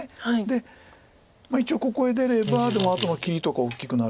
で一応ここへ出ればあとの切りとか大きくなるんで。